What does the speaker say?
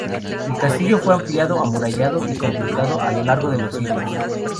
El castillo fue ampliado, amurallado y completado a lo largo de los siglos.